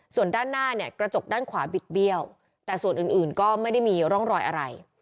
ส่วนด้านหน้าเนี่ยกระจกด้านขวาบิดเบี้ยวแต่ส่วนอื่นก็ไม่ได้มีร่องรอยอะไร